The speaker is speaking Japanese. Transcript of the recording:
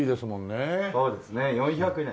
そうですね４００年。